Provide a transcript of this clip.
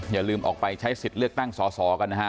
อย่าลืมออกไปใช้สิทธิ์เลือกตั้งสอสอกันนะฮะ